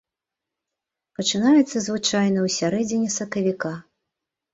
Пачынаецца звычайна ў сярэдзіне сакавіка.